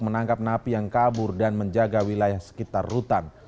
menangkap napi yang kabur dan menjaga wilayah sekitar rutan